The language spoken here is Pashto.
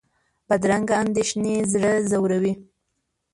بدرنګه اندېښنې زړه ځوروي